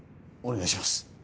お願いします